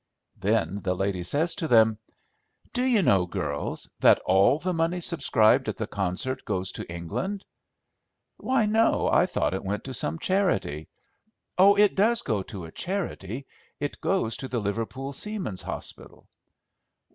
Then the lady says to them, "Do you know, girls, that all the money subscribed at the concerts goes to England?" "Why, no; I thought it went to some charity." "Oh, it does go to a charity. It goes to the Liverpool Seamen's Hospital."